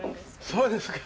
そうですか。